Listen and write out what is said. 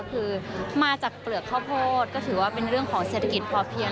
คือมาจากเปลือกข้าวโพดก็ถือว่าเป็นเรื่องของเศรษฐกิจพอเพียง